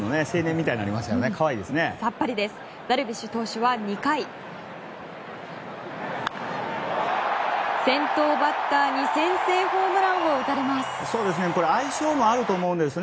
ダルビッシュ投手は２回先頭バッターに先制ホームランを打たれます。